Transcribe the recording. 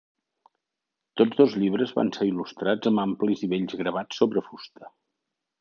Tots dos llibres van ser il·lustrats amb amplis i bells gravats sobre fusta.